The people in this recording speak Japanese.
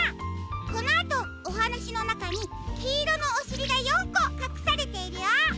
このあとおはなしのなかにきいろのおしりが４こかくされているよ。